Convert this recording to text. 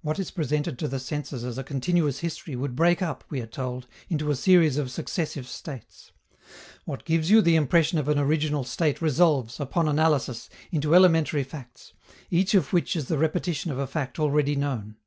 What is presented to the senses as a continuous history would break up, we are told, into a series of successive states. "What gives you the impression of an original state resolves, upon analysis, into elementary facts, each of which is the repetition of a fact already known.